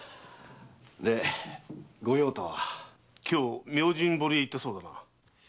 で御用とは？今日明神堀へ行ったそうだな？